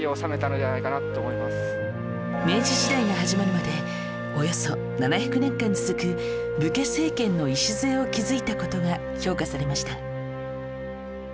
明治時代が始まるまでおよそ７００年間続く武家政権の礎を築いた事が評価されました